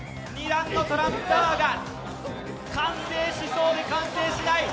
２段のトランプタワーが完成しそうで完成しない。